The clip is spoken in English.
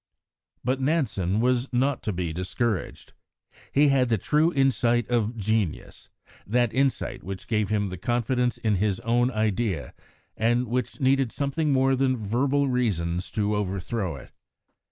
But Nansen was not to be discouraged. He had the true insight of genius, that insight which gave him the confidence in his own idea and which needed something more than verbal reasons to overthrow it.